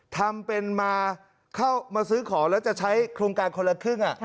ทำเป็นมาเข้ามาซื้อของแล้วจะใช้โครงการคนละครึ่ง